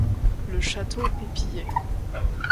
Le château est pillé.